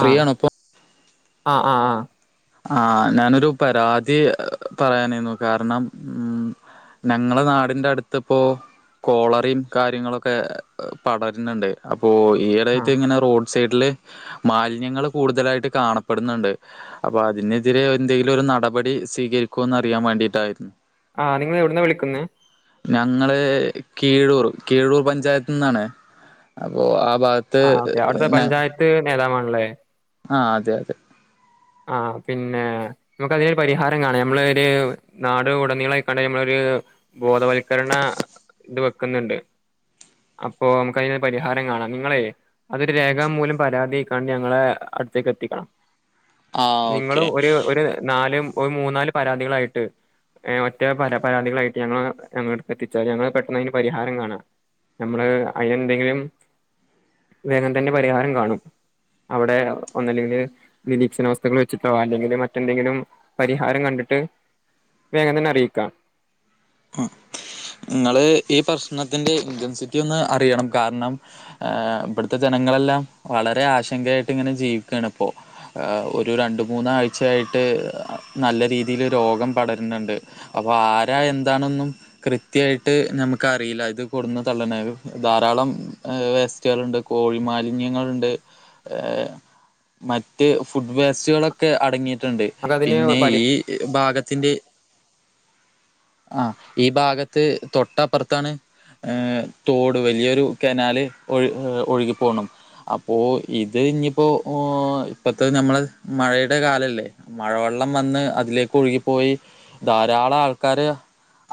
Free ആണോ ഇപ്പം ആ ആ ആ ആ ഞാനൊരു പരാതി പറയാനായിരുന്നു കാരണം ഉം ഞങ്ങള നാടിന്റെ അടുത്ത് ഇപ്പോ കോളറയും കാര്യങ്ങളൊക്കെ പടരുന്നുണ്ട് അ ഇപ്പോ ആഹ് ഈടയായിട്ട്ങ്ങനെ റോഡ് സൈഡില് മാലിന്യങ്ങള് കൂടുതലായിട്ട് കാണപ്പെടുന്നുണ്ട് അപ്പൊ അതിനെതിരെ എന്തെങ്കിലും ഒരു നടപടി സ്വീകരിക്കോന്ന് അറിയാൻ വേണ്ടിട്ടായിരുന്നു ആ നിങ്ങള് എവിടന്നാ വിളിക്കുന്നെ ഞങ്ങള് കീഴൂർ കീഴൂർ പഞ്ചായത്ത് നിന്നാണ് അപ്പോ ഭാഗത്ത് ആ ഓക്കെ അവിടുത്തെ ഞ പഞ്ചായത്ത് നേതാവാണ് ആണ് അല്ലേ ആഹ് അതെ അതെ ആ പിന്നെ നമുക്ക് അതിനൊരു പരിഹാരം കാണാം നമ്മള് ഒരു നാട് ഉടനികളായിക്കണ്ട് നമ്മളൊരു ബോധവൽക്കരണ ഇത് വെക്കുന്നുണ്ട് അപ്പൊ നമുക്ക് അതിനെ പരിഹാരം കാണാം നിങ്ങളെ അതൊരു രേഖാമൂലം പരാതി ആക്കി ഞങ്ങളെ അടുത്തേക്ക് എത്തിക്കണം ആഹ് നിങ്ങളും ഓക്കെ ഒര് ഒരു നാലും- ഒരു മൂന്നാല് പരാതികളായിട്ട് ഒറ്റ പരാതികളായിട്ട് ഞങ്ങള് ഞങ്ങളടുത്ത് എത്തിച്ചാൽ ഞങ്ങള് പെട്ടെന്ന് അതിന് പരിഹാരം കാണാം നമ്മള് അതിന് എന്തെങ്കിലും വേഗം തന്റെ പരിഹാരം കാണും അവിടെ ഒന്നുല്ലെങ്കിൽ നിരീക്ഷണ വസ്തു - ത്‌ക്കൾ വെച്ചിട്ടോ അല്ലെങ്കിൽ മറ്റെന്തെങ്കിലും പരിഹാരം കണ്ടിട്ട് വേഗം തന്നെ അറിയിക്കാം നിങ്ങള് ഈ പ്രശ്നത്തിന്റെ ഇന്റൻസിറ്റി ഒന്ന് അറിയണം കാരണം ഇവിടുത്തെ ജനങ്ങളെല്ലാം വളരെ ആശങ്കയായിട്ട് ഇങ്ങനെ ജീവിക്കുകയാണ് ഇപ്പോ ഒരു രണ്ട മൂന്നാഴ്ചയായിട്ട് നല്ല രീതിയിൽ രോഗം പടരുന്നുണ്ട് അപ്പൊ ആരാ എന്താ- അതാണൊന്നും കൃത്യയിട്ട് ഞമ്മക്കറീല്ല ഇത് ക്കൊട്ന്ന തള്ള്ണ്ണെന്ന് ധാരാളം ഏഹ് വേസ്റ്റ്കളൾണ്ട് കോഴി മാലിന്യങ്ങള്ണ്ട് മറ്റ് ഫുഡ് വേസ്റ്റുകളൊക്കെ അടങ്ങിയി ട്ട്ണ്ട്. നമുക്ക് അതിന് പിന്നെ പരി ഈ ഭാഗ ത്തിന്റെ ആഹ് ഈ ഭാഗത്ത് തൊട്ടപ്പർത്താണ് ഏഹ് തോട് വെല്ല്യൊരു കനാല് ഒഴ് ഏഹ് ഒഴുകിപ്പോണം അപ്പോ ഇത് ഞ്പ്പോ ഓഹ് ഇപ്പത്തെ ഞമ്മള മഴയുടെ കാലല്ലേ മഴവെള്ളം വന്ന് അതിലേക്ക് ഒഴുകിപ്പോയി ധാരാളാൾക്കാര്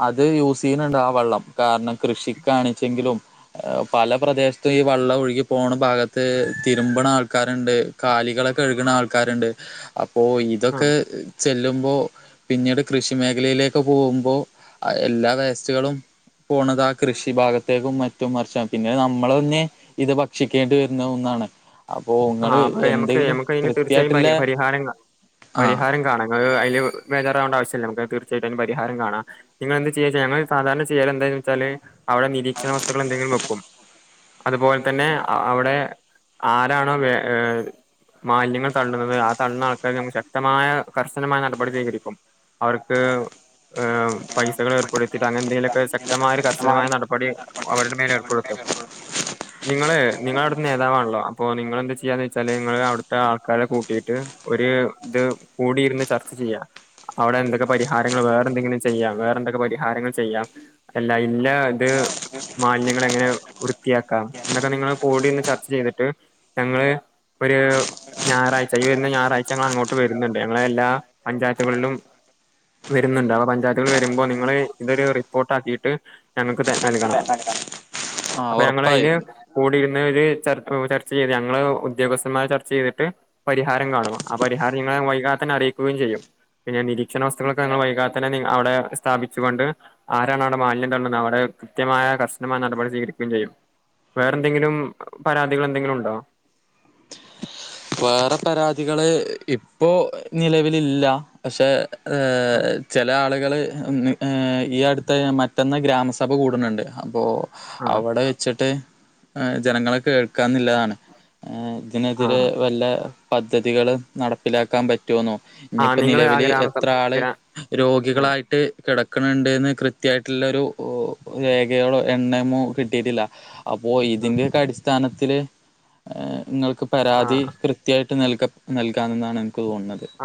അത് യൂസ്യ്യ്ണ് ണ്ട് ആ വെള്ളം കാരണം കൃഷി കാണിച്ചെങ്കിലും ഏഹ് പല പ്രദേശത്തും ഈ വെള്ളം ഒഴുകി പോണ ഭാഗത്ത് തിരിമ്പ് ണാൾക്കാര്ണ്ട് കാലികളെ കഴ്ക്ക്ണാൾക്കാര്ണ്ട്. പ്പോ ആ ഇതൊക്കെ ച് ചെല്ലുമ്പോൾ പിന്നീട് കൃഷി മേഖലയിലേക്ക് പോ വുമ്പോ ആഹ് എല്ലാ വേസ്റ്റുകളും പോണ താ കൃഷി ഭാഗത്തേക്കും മറ്റും മർച്ചാണ് പിന്നെ നമ്മളെന്നെ ഇത് ഭക്ഷിക്കേണ്ടി വരുന്ന ഒന്നാണ്. അപ്പോ ആഹ് നിങ്ങള് അപ്പൊ ഞമ്മക്ക് എന്തെങ്കിലും ഞമ്മക്കയ്ന് തീർച്ചയായും കൃത്യായിട്ടുള്ള പരി പരിഹാരം കാ ആ പരിഹാരം കാണാം ഇങ്ങള് അയ്ല് വേജാറാവേണ്ട ആവശ്യ ശ്യല്ല. നമക്ക് തീർച്ചയായിട്ടും അയ്ന് പരിഹാരം കാണാം നിങ്ങളെന്ത് ചെയ്യച്ച ഞങ്ങള് സാധാരണ ചെയ്യലെന്തയ്‌നെച്ചാല് അവടെ നിരീക്ഷണ വസ്തുക്കളെന്തെങ്കിലും വെക്കും അതുപോലെ തന്നെ അ അവടെ ആ താണോ വേ മാലിന്യങ്ങൾ തള്ളുന്നത് ആ തള്ളുന്ന ൾക്കാരെക്കെമ്മള് ശക്തമായ കർശനമായ നടപടി സ്വീകരിക്കും അവർക്ക് ഏഹ് പൈസകൾ ഏർപ്പെടുത്തിട്ടൊ അങ്ങനെന്തെങ്കിലൊക്കെ ശ ക്തമായൊരു കർശനമായ നടപടി അവരുടെ മേൽ ഏർപ്പെടുത്തും നിങ്ങള് നിങ്ങളവ്ട്ത്തെ നേതാവാണല്ലോ അ അപ്പൊ നിങ്ങളെന്ത് ചെയ്യാന്നെച്ചാല് നിങ്ങളവ് ട്ത്തെ ആൾക്കാരെ കൂട്ടിട്ട് ഒര് ഇത് കൂടിയിര്ന്ന് ചർച്ച ചെയ്യാ അവടെ എന്തൊക്കെ പരിഹാരങ്ങള് വേറെ ന്തെങ്കിലും ചെയ്യാം വേറെ ന്തൊക്കെ പരിഹാരങ്ങൾ ചെയ്യാം അല്ല ഇല്ല ത് മാലിന്യങ്ങളെ ങ്ങനെ വൃത്തിയാക്കാം എന്നൊക്കെ നിങ്ങള് കൂടിയിര്ന്ന് ചർച്ച ചെയ്തിട്ട് ഞങ്ങള് ഒരു ഞായറാഴ്ച ഈ വരുന്ന ഞായറാഴ്ച ഞങ്ങൾ അങ്ങോട്ട് വരുന്നുണ്ട് ഞങ്ങളെ എല്ലാ പഞ്ചായത്തുകളിലും വരുന്നുണ്ട് അപ്പ പഞ്ചായത്തുകൾ വരുമ്പോ നിങ്ങള്ൾ ഇതൊരു റിപ്പോർട്ട് ആക്കിട്ട് ഞങ്ങൾക്ക് നൽകണം ആ അപ്പൊ ഞങ്ങൾ അയിന് ഉറപ്പായും കൂടി [unintelligible] ഒരു [unintelligible] ച്ച ചെയ്ത് ഞങ്ങൾ ഉദ്യോഗസ്ഥന്മാരെ ചർച്ച ചെയ്തിട്ട് പരിഹാരം കാണുക ആ പരിഹാരം നിങ്ങളെ വൈകാത തന്നെ അറിയിക്കുകയും ചെയ്യും പിന്നെ നിരീക്ഷണ വസ്തുക്കൾക്കെങ്ങൾ വൈകാതെന്നെ അവിടെ സ്ഥാപിച്ചുക കൊണ്ട് ആരാണ് അവിടെ മാലിന്യം തുന്നത് അവിടെ കൃത്യമായ കർശനമായ നടപടി സ്വീകരിക്കുകയും ചെയ്യും വേറെ എന്തെങ്കിലും പരാതികൾ എന്തെങ്കിലും ആ വേറെ പരാതികള് ഇപ്പോ നിലവിലില്ല പക്ഷെ ഏ ചില ആളുകള് [unintelligible] ഈ അടുത്ത മറ്റന്ന് ഗ്രാമസഭ കൂടുന്നുണ്ട് അപ്പോ ആ ആ അവിടെ വെച്ചിട്ട് ആ ജനങ്ങൾ കേ ക്കാ എന്നുള്ളതാണ് ആ ഇതിനെതിരെ പദ്ധതികൾ നടപ്പിലാക്കാൻ പ [unintelligible] ആ ഇനിപ്പോ നിങ്ങൾ ആ നിലവില് ഗ്രാമ എത്ര ആള് ആ രോഗികളായിട്ട് കിടക് വക്കണണ്ട്ന്ന് കൃത്യമായിട്ടുള്ളൊ ഒരു രേഖയോളോ എണ്ണയമോ കിട്ടിയിട്ടില്ല ആ അപ്പോഇതിന്റെയൊക്കെ അടിസ്ഥാന [unintelligible] ആ ങ്ങൾക്ക് ക്ക് ആ പരാതി [unintelligible] നൽകാ നൽകാവുന്നതാണ്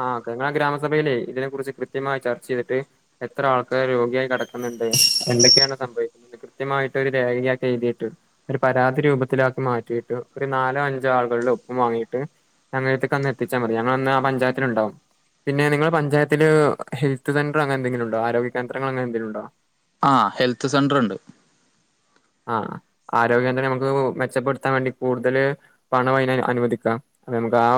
ആഹ്ക്കെ നിങ്ങളെ ഗ്രാമസഭയിലെ ഇതിനെ കുറിച്ച് കൃ കൃത്യമായി ചർച്ച ചെയ്തിട്ട് എത്ര ആൾക്കാർ രോഗിയായി കിടക്കുന്നുണ്ട് എന്തൊക്കെയാണ് സംഭവിക്കുന്നത് കൃത്യമായിട്ട് ഒരു രേഖക്കെ എഴുതിയിട്ട് ഒരു പരാതി രൂപത്തിലാക്കി മാറ്റിയിട്ട് ഒരു നാലോ അഞ്ചോ ആളുകളുടെ ഒപ്പും വാങ്ങിയിട്ട് ഞങ്ങത്തേക്ക് അന്ന് എത്തിച്ചാൽ മതി ഞങ്ങൾന്ന് ആ പഞ്ചായ ഉണ്ടും പിന്നെ നിങ്ങള്ൾ പഞ്ചായത്തില് ഹെൽത്ത് സെന്റർ അങ്ങനെന്തെിലും ഉണ്ടോ ആരോഗ്യ കേന്ദ്രങ്ങൾ അങ്ങനെ എന്തെങ്കില ഉണ്ടോ ആ ഹെൽത്ത് സെന്റർണ്ട് ആ ആരോഗ്യ കേന്ദ്രം നമുക്ക് മെച്ചപ്പെടുത്താൻ വേണ്ടി കൂടുതൽ പണ വ അനുവദിക്കാം അ നമുക്ക് ആ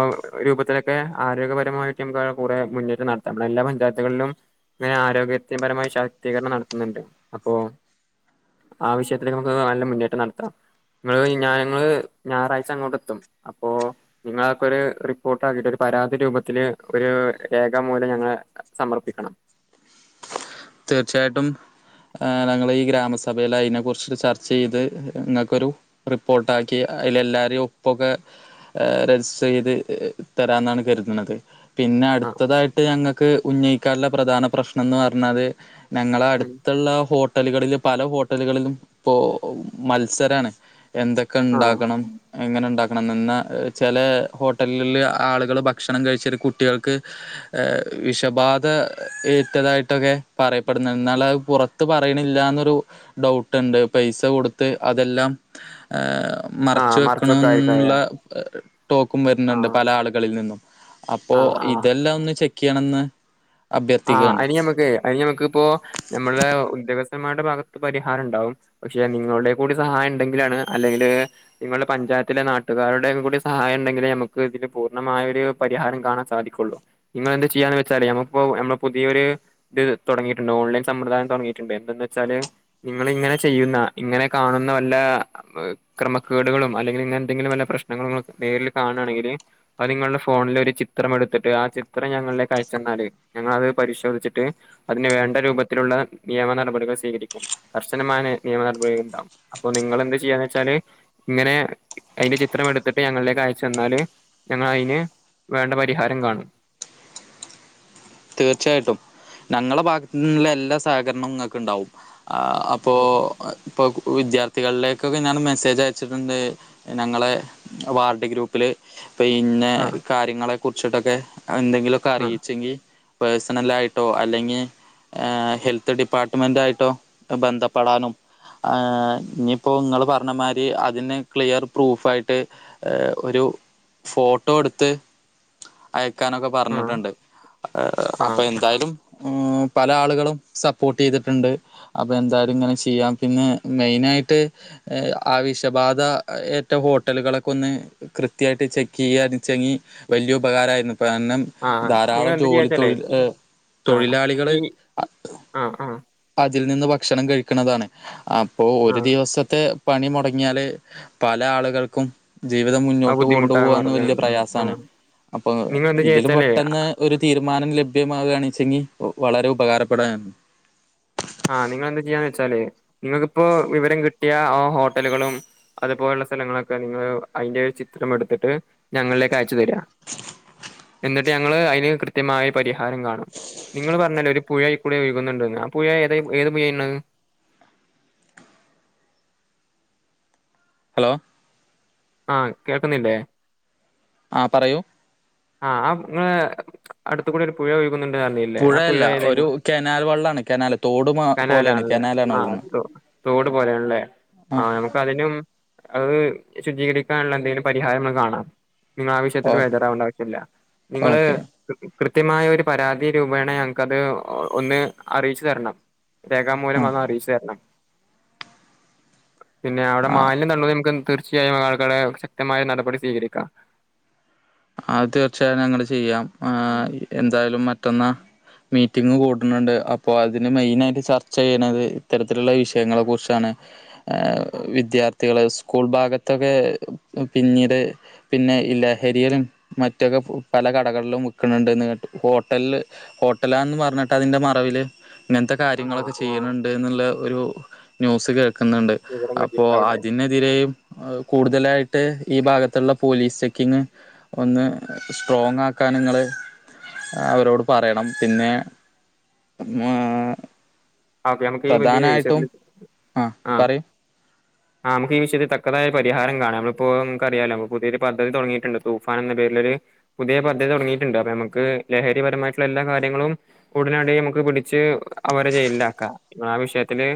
രൂപത്തിലൊക്കെ ആരോഗ്യപരമായിട്ട്മുക്ക് കുറെ മുന്നേറ്റം നടത്താം എല്ലാ പഞ്ചായത്തുകളിലും ഇങ്ങനെ ആരോഗ്യപരമായി ശാക്തീകരണം നടത്തുന്നുണ്ട് അപ്പോ ആവശ്യ നമുക്ക് നല്ല മുന്നേറ്റം നടത്താം നിങ്ങള് ഞങ്ങള് ഞായറാഴ്ച അങ്ങോട്ടെ എത്തും അപ്പോ നിങ്ങളക്കെ ഒരു റിപ്പോർട്ട് ആക്കിട്ട ഒരു പരാതി രൂപത്തില് ഒരു രേഖാമൂലം ഞങ്ൾ സമർപ്പിക്കണം തീർച്ചയായിട്ടും ആ ഞങ്ങൾ ഈ ഗ്രാമസഭയിൽ അതിനെ കുറിച്ച ചർച്ച ചെയ്ത് നിങ്ങൾക്കൊരു റിപ്പോർട്ട ആാക്കി അതിൽ എല്ലാരും ഒപ്പൊക്കെ രജിസ്റ്റർ ചെയ്ത് തരാന്നാണ് കരുതുന്നത് പിന്നെ ആഹ് അടുത്തതായിട്ട് ഞങ്ങക്ക് ഉഞ്ഞയിക്കാരിലെ പ്രധാന പ്രശ്നം എന്ന് പറഞ്ഞത് ഞങ്ങള ഉം അടുത്തുള്ള ഹോട്ടലുകളിൽ പല ഹോട്ടലുകളിലും ഇപ്പോ മത്സരണ് എന്തൊക്കെ ആഹ് ഉണ്ടാക്കണം എങ്ങനെ ഉണ്ടാക്കണം എന്ന ചില ഹോട്ടലില് ആളുകൾ ഭക്ഷണം കഴിച്ചട്ട കുട്ടികൾക്ക് വിഷബാധ ഏറ്റതായിട്ടൊക്കെ പറയപ്പെടുന്നു. എന്നാല അഅ് പൊ റത്ത് പറയണില്ലാന്നൊരു ഡൗട്ട്ണ്ട്. പൈസ കൊടുത്ത് അതെല്ലാം ആഹ് മറച്ച് വെക്ക്ണ് മറിച്ചൊക്കെ ആയിരിക്കും ന്നുള്ള ടോക്കും വര്ണ്ണ്ണ്ട് ആഹ് പല ആളുകളിൽ നിന്നും. അപ്പോ ആഹ് ആഹ് ഇതെല്ലാം ഒന്ന് ചെ ക്കെയ്യണെന്ന് ആഹ് അതിന് ഞമ്മക്കെ അതി ഞമക്ക് ഇപ്പോ നമ്മളുടെ ഉദ്യോഗസ്ഥന്മാരുടെ ഭാഗത്ത് പരിഹാരം ഉണ്ടാവും പക്ഷെ നിങ്ങളുടെ കൂടി സഹായം ഉണ്ടെങ്കിലാണ് അല്ലെങ്കിൽ നിങ്ങളുടെ പഞ്ചായത്തിലെ നാട്ടുകാരുടെ കൂടി സഹായം ഉണ്ടെങ്കിലേ നമുക്ക് ഇതിൽ പൂർണ്ണമായ ഒരു പരിഹാരം കാണാൻ സാധിക്കുള്ളു നിങ്ങ എന്ത് ചെയ്യാന്ന് വെച്ചാല് നക്ക് ഇപ്പോ നമ്മള് പുതിയൊരു ഇത് തുടങ്ങിയിട്ടുണ്ട് ഓൺലൈൻ സമ്പ്രദായം തുടങ്ങിയിട്ടുണ്ട് എന്തെന്ന് വെച്ചാല് നിങ്ങ ഇങ്ങനെ ചെയ്യുന്ന ഇങ്ങനെ കാണുന്ന വല്ല ക്രമക്കേടുകളും അല്ലെങ്കിൽ ഇങ്ങനെ എന്തെങ്കിലും വല്ല പ്രശ്നങ്ങളും നേരിൽ കാണയാണെങ്കിൽ അത് നിങ്ങളുടെ ഫോണിൽ ഒരു ചിത്രം എടുത്തിട്ട് ആ ചിത്രം ഞങ്ങളുടെ കയച്ചന്നാല് ഞങ്ങളത് പരിശോധിച്ചിട്ട് അതിന് വേണ്ട രൂപത്തിലുള്ള നിയമ നടപടികൾ സ്വീകരിക്കും കർശനമായ നിയമ നടപടികൾ ഉണ്ടാവും അപ്പൊ നിങ്ങെന്ത് ചെയ്യാന്ന് വെച്ചാല് ഇങ്ങനെ അതിന്റെ ചിത്രം എടുത്തിട്ട് ഞങ്ങളിലേക്ക് അയച്ചു വന്നാല് ഞങ്ങ അതിന് വേണ്ട പരിഹാരം കാണും തീർച്ചയായിട്ടും ഞങ്ങള ഭാഗത്ത നിുള്ള എല്ലാ സഹകരണവും നിങ്ങക്ക് ഉണ്ടാവും അപ്പോൾ ഇപ്പോൾ വിദ്യാർത്ഥികളുടെക്കൊക്കെ ഞാൻ മെസ്സേജ് അയച്ചിട്ടുണ്ട് ഞങ്ങളെ വാർഡി ഗ്രൂപ്പില് പിന്നെ ആ കാര്യങ്ങളൊക്കെ കുർച്ചട്ടൊക്കെ എന്തെങ്കിലുമൊക്കെ ആ അറിയിച്ചെങ്കിൽ പേഴ്സണലായിട്ടോ അല്ലെങ്കിൽ ഹെൽത്ത് ഡിപ്പാർട്ട്മെന്റ്യിട്ടോ ബന്ധപ്പെടാനും ഇനിയിപ്പോൾ നിങ്ങൾ പറഞ്ഞ മാതിരി അതിന് ക്ലിയർ പ്രൂഫായിട്ട് ഒരു ഫോട്ടോ എടുത്ത് ക്കാനൊക്കെ ആ പറഞ്ഞിട്ടുണ്ട് ആ അപ്പൊ എന്തായാലും പല ആളുകളും സപ്പോർട്ട് ചെയ്തിട്ടുണ്ട് അപ്പൊ എന്തായാലും ഇങ്ങനെ ചെയ്യാം പിന്നെ മെയിന ആയിട്ട് ആവശബാധ ഏറ്റ ഹോട്ടലുകളൊക്കെ ഒന്ന് കൃത്യമായിട്ട് ചെക്ക് ചെയ്യച്ചങ്ങി വലിയ ഉപകാരമായിരുന്നു പിന്നെ ആ നിങ്ങൾ ധാരാളം എന്ത് ജോലി ചെയ്യാച്ചാലേ തൊഴിൽ ആ തൊഴിലാളികള് ഈ ആ ആ അ ഇതിൽ നിന്ന് ഭക്ഷണം കഴിക്കുന്നതാണ് ആ അപ്പോ ആ ഒരു ദിവസത്തെ പണി മുടങ്ങിയാല് പല ആളുകൾക്കും ജീവിതം ആ മുന്നോട്ട് ബുദ്ധിമുട്ടായി കൊണ്ടുപോകന്ന് മാറും ല്ലേ വലിയ ഉം ആ പ്രയാസമാണ് അപ്പൊ നിങ്ങൾ എന്ത് ഇതിൽ ചെയ്യാച്ചാലേ പെട്ടെന്ന് ഒരു തീർ തരുമാനം ലഭ്യമാവുകാണ് വെച്ചെങ്കിൽ വളരെ ഉപകാരപ്പെടാനാണ് ആ നിങ്ങെന്താ ചെയ്യാന്ന് വെച്ചാല് നിങ്ങൾക്ക് ഇപ്പോ വിവരം കിട്ടിയ ആ ഹോട്ടലുകളും അതുപോലുള്ള സ്ഥലങ്ങളൊക്കെ നിങ്ങൾ അതിന്റെ ചിത്രം എടുത്തിട്ട് ഞങ്ങളിലേക്ക് അയച്ചു തരാം എന്നിട്ട് ഞങ്ങള് അതിന് കൃത്യമായ പരിഹാരം കാണും നിങ്ങൾ പറഞ്ഞല് ഒരു പുഴ ഇക്കൂടെ ഒഴുകുന്നുണ്ട ആ പുഴ ഏത് പുന്നത് ഹലോ ആഹ കേൾക്കുന്നില്ലേ ആ പറയൂ ആഹ് ആ നിങ്ങള് അടുത്ത കൂടി ഒരു പുഴ ല്ലേ ആ പുഴ പുഴയല്ല ഏത ഒരു കനാൽ വെള്ളാണ് കനാല് തോട് മാ കനാല പോലെയാണ് ആണല്ല കനാലാണ് ആ ഒഴുകുന്നത് തോട് പോലെയണല്ലേ ആ നമുക്ക് അതിനും അത് ശുചീകരിക്കാനുള്ള എന്തെങ്കിലും പരിഹാരം ന കാണാം നിങ്ങള ആ ഓ വിഷയത്തി ബെജാരവണ്ട നിങ്ങള് ഓക്കെ കൃത്യമായ ഒരു പരാതി രൂപേണ ഞങ്ങക്കത് ഒന്ന് അറിയിച്ചു തരണം രേഖാമൂലം ആ വന്ന് അറിയിച്ചു തരണം പിന്നെ അവിടെ ആ മാലിന്യം തള്ള നമുക്ക് തീർച്ചയായും ആൾക്കെ ശക്തമായ നടപടി സ്വീകരിക്കാം അത് തീർച്ചയായട്ടും ഞങ്ങൾ ചെയ്യാം എന്തായാലും മറ്റന്ന് മീറ്റിംഗങ് കൂട്ടുന്നുണ്ട് അപ്പോൾ അതിന് മെയിന ആായിട്ട് ചർച്ച ചെയ്യണുന്നത് ഇത്തരത്തിലുള്ള വിഷയങ്ങളെ കുറിച്ചാണ് ആ വിദ്യാർഥ കുട്ടകള് സ്കൂൾ ഭാഗത്തൊക്കെ പിന്നീട് പിന്നെ ഇ ലഹരിയറും മറ്റൊക്കെ പല കടകളിലും വിക്കണണ്ട്ന്ന്് ഹോട്ടല ഹോട്ടലാന്ന് പറഞ്ഞിട്ട് അതിന്റെ മറവിില് ഇങ്ങനത്തെ ആ ആ കാര്യങ്ങളൊക്കെ ആ ചെയ്യുന്നുണ്ട് എന്നുള്ള ഒരു ന്യൂസ് കേ ുന്നുണ്ട് വിവരം അപ്പോൊ കിട്ടിയിട്ടുണ്ടാവൂല്ലേ അതിനെതിരെയും കൂടുതലായിട്ട് ഈ ഭാഗത്തുള്ള പോലീസ് ചെക്കിങ് ഒന്ന് സ്ട്രോങ് ആക്കാനങ്ങൾ അവരോട് പറയണം പിന്നെ ക്കെ നമുക്ക് ഈ ബന്തി വിഷത്തിൽ പ്രധാനമായിട്ടും ആ ആഹ പറയൂ ആഹ്മക്ക് ഈ വിഷയത്തിൽ തക്കതായ പരിഹാരം കാണാം നമ്മളിപ്പോ നമുക്ക് അറിയാാലോ പുതിയൊരു പദ്ധതി തുടങ്ങിയിട്ടുണ്ട് തൂഫാൻ എന്ന പേരിലൊരു പുതിയ പദ്ധതി തുടങ്ങിയിട്ടുണ്ട് അപ്പൊ നമുക്ക് ലഹരിപരമായിട്ടുള്ള എല്ലാ കാര്യങ്ങളും കൂടുനടി നമുക്ക് പിടിച്ച് അവരെ ചെയ്യില്ല നി ആ വിഷയത്തില്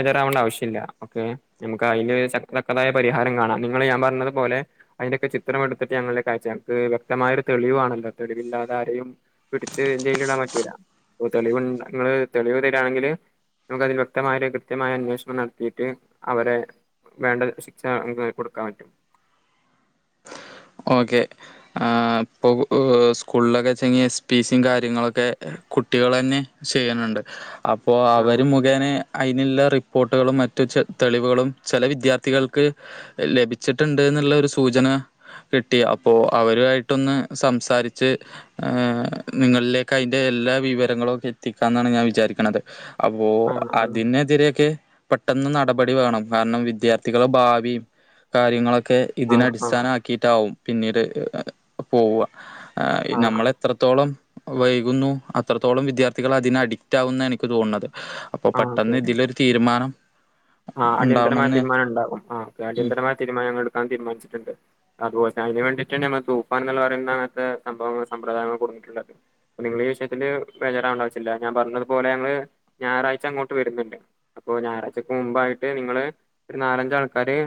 എതറാവണ്ട ആവശ്യമില്ല ഒക്കെ നഞമക്ക് അതില് തക്കതായ പരിഹാരം കാണാം നിങ്ങൾ ഞാൻ പറഞ്ഞത്പോലെ അതിന്റെൊക്കെ ചിത്രം എടുത്തിട്ട് ഞങ്ങളുടെ കാഴ്ച ഞക്ക് വ്യക്തമായ ഒരു തെളിവു ആണല്ലോ തെളിവില്ലാതെ ആരെയും പിടിച്ച് ജയിലിടാൻ പറ്റുവരാ അ തെളിവു നി തെളിവ് ണെങ്കിൽ നമുക്ക് അതിൽ വ്യക്തമായ കൃത്യമായ അന്വേഷണം നടത്തിയിട്ട് അവരെ വേണ്ട ശിക്ഷ നമുക്ക് കൊടുക്കാൻ പറ്റും ഓക്കെ ആ ഇപ്പൊ സ്കൂളിലൊക്കെ ചെങ്ക എസ്പ സും കാര്യങ്ങളൊക്കെ കുട്ടികൾ തന്നെ ചെയ്യണണ്ട് അപ്പോൾ ആഹ് അവർ മുഖന അതിനുള്ള റിപ്പോർട്ടുകളും മറ്റു ചെ തെളിവുകളും ചില വിദ്യാർത്ഥികൾക്ക് ലഭിച്ചിട്ടുണ്ട് എന്നുള്ള ഒരു സൂചന കിട്ടി അപ്പോ അവരുആയിട്ടൊന്ന് സംസാരിച്ച് ഏ നിങ്ങളിലേക്ക് അതിന്റെ എല്ലാ വിവരങ്ങളും ഒക്കെ എത്തിക്കാ എന്നാണ് ഞാൻ വിചാരിക്ക്ണത് അപ്പോ ആഹ് ആഹ് ആതിനെതിരെക്കെ പെട്ടൊന്ന് നടപടി വേണം കാരണം വിദ്യാർത്ഥികളെ ഭാവി കാര്യങ്ങളൊക്കെ ക്കെ ആഹ് ആഹ് ഇതിനടിസ്ഥാനമാ ട്ടാവും പിന്നീട് പോവ ആഹ് നമ്മൾ എത്രത്തോളം വൈകുന്നു അത്രത്തോളം വിദ്യാർത്ഥികൾ അതിന് അഡിക്റ്റ് ആകുന്നു എനിക്ക് തോന്നണത് അപ്പൊ ആഹ് ഓക്കെ പെട്ടെന്ന് ഓക്കെ ഇതിലൊരു തീരുമാനം ആഹ് അടിയന്തരമായ ഉണ്ടാവണംന്ന് തീരുമാനംണ്ടകും ആ ഉം അടിയന്തരമായ തീരുമാനംങ്ങൾ ക്കാൻ തീരുമാനിച്ചിട്ടുണ്ട് അതുപോലെ തന്നെ അയിന് വേണ്ടിട്ടന്നെ ഞമ്മൾ തൂഫാൻ എന്ന് പറയുന്ന അങ്ങനത്തെ സംഭവങ്ങൾ സമ്പ്രദായങ്ങൾ കൊടുന്നിട്ടണ്ടായത് നിങ്ങൾ ഈ വിഷയത്തിൽ ബേജാറാവണ്ട ആവശ്യല്ല ഞാൻ പറഞ്ഞതു പോല ഞങ്ങങ്ങള് ഞായറാഴ്ച അങ്ങോട്ട് വരുന്നുണ്ട് അപ്പോ ഞായറാഴ് മുമ്പായിട്ട് നിങ്ങള് ഒരു നാലഞ്ച് ആൾക്കാര്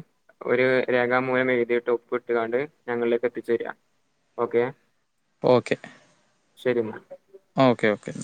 ഒരു രേഖാമൂലം എഴുതിട്ട് ഒപ്പ് ഇട്ടുകാണ്ട് ഞങ്ങളിലേക്ക് എത്തിച്ച് തരിക ഓക്കെ ഓക്കെ ശരി എന്നാൽ ഓക്കെ ഓക്കെ